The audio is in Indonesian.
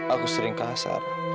aku sering kasar